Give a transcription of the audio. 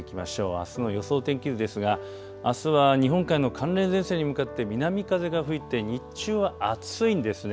あすの予想天気図ですがあすは日本海の寒冷前線に向かって南風が吹いて日中は暑いんですね。